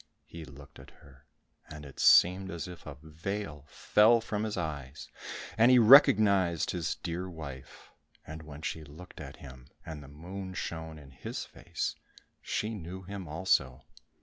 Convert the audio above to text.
He looked at her, and it seemed as if a veil fell from his eyes, and he recognized his dear wife, and when she looked at him, and the moon shone in his face she knew him also.